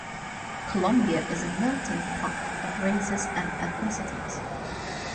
Colombia is a melting pot of races and ethnicities.